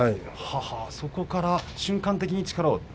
そこから瞬間的に力を。